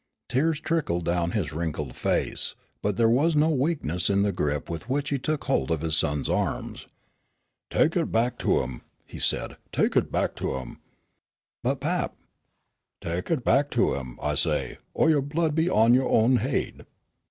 Tears trickled down his wrinkled face, but there was no weakness in the grip with which he took hold of his son's arms. "Tek it back to 'em!" he said. "Tek it back to 'em." "But, pap " "Tek it back to 'em, I say, or yo' blood be on yo' own haid!"